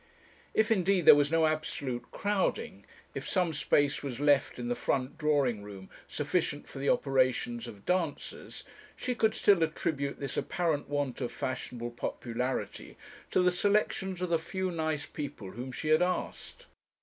If, indeed, there was no absolute crowding, if some space was left in the front drawing room sufficient for the operations of dancers, she could still attribute this apparent want of fashionable popularity to the selections of the few nice people whom she had asked.